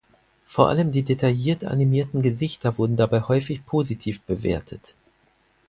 Vor allem die detailliert animierten Gesichter wurden dabei häufig positiv bewertet.